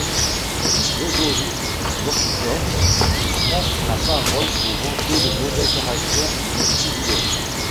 Puis Grégori Borstchov prend la parole pour vanter le mauvais caractère du jubilaire.